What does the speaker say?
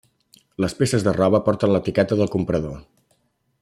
Les peces de roba porten l'etiqueta del comprador.